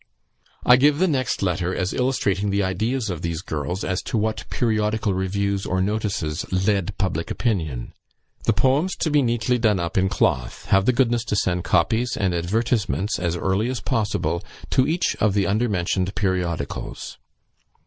I give the next letter as illustrating the ideas of these girls as to what periodical reviews or notices led public opinion. "The poems to be neatly done up in cloth. Have the goodness to send copies and advertisements, as early as possible, to each of the undermentioned periodicals.